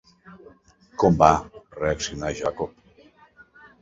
Com va reaccionar Jacob?